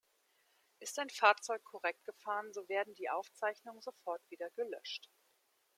Ist ein Fahrzeug korrekt gefahren, so werden die Aufzeichnungen sofort wieder gelöscht.